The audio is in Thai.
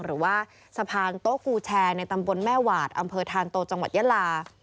หรือว่าสะพานโต๊ะฟูแชร์ในตำบลแม่หวาดอำเภอธานโตจังหวัดยาลา